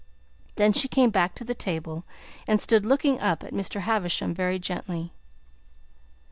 Then she came back to the table and stood looking up at Mr. Havisham very gently.